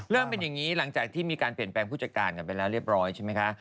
เรื่องเป็นอย่างนี้หลังจากที่มีเป็นแปลงผู้จัญการกันไปแล้วเรียบร้อยใช่มั้ยคะ